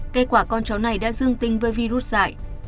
kết quả con chó này đã dương tình với virus dại